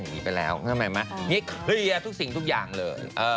สิทุกสินทุกอย่างเลย